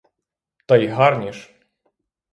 Та й гарні ж!